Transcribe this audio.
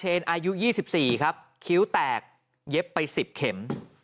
ให้๑๐เข็ม